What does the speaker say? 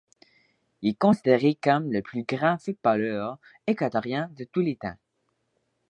Il est considéré comme le plus grand footballeur équatorien de tous les temps.